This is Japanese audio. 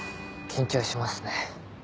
緊張しますね。